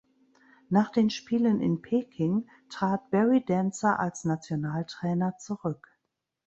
Nach den Spielen in Peking trat Barry Dancer als Nationaltrainer zurück.